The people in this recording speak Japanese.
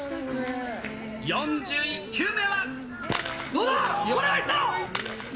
４１球目は？